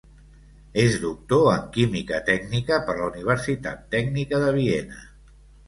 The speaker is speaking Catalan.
És doctor en Química tècnica per la Universitat Tècnica de Viena.